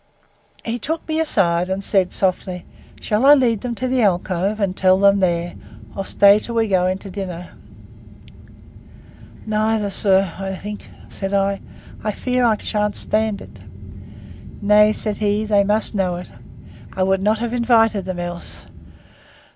He took me aside, and said softly, Shall I lead them to the alcove, and tell them there, or stay till we go in to dinner?—Neither, sir, I think, said I, I fear I shan't stand it.—Nay, said he, they must know it; I would not have invited them else.